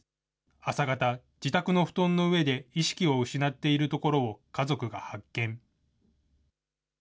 朝方、自宅の布団の上で意識を失っているところを、家族が発見。